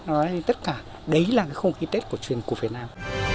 nói tất cả đấy là cái không khí tết cổ truyền của việt nam